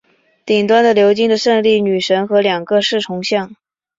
顶端是鎏金的胜利女神和两个侍从像。